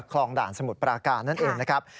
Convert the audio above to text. คลองด่านสมุทรปราการนั่นเองนะครับ